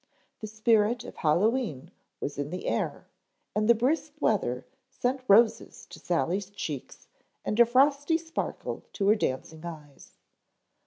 The spirit of Hallowe'en was in the air and the brisk weather sent roses to Sally's cheeks and a frosty sparkle to her dancing eyes.